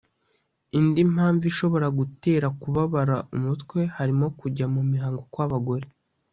Indi mpamvu ishobora gutera kubabara umutwe harimo kujya mu mihango kw’abagore